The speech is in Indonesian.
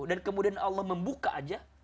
dan kemudian allah membuka aja